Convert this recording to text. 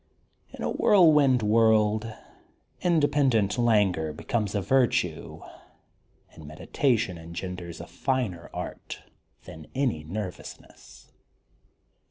In a whirlwind world, independent languor be comes a virtue, and meditation engenders a finer art than any nervousness.